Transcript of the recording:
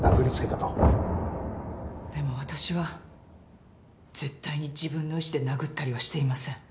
でも私は絶対に自分の意志で殴ったりはしていません。